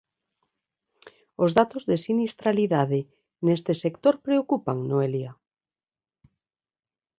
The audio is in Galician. Os datos de sinistralidade neste sector preocupan, Noelia.